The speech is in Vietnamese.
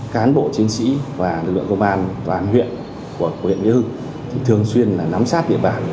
chính sĩ và lực lượng công an toàn huyện của huyện nghĩa hưng thường xuyên nắm sát địa bản